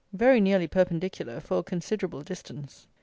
Very nearly perpendicular for a considerable distance.